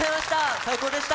最高でした！